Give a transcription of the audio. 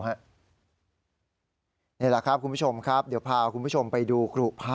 นี่แหละครับคุณผู้ชมครับเดี๋ยวพาคุณผู้ชมไปดูครูพระ